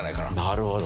なるほど。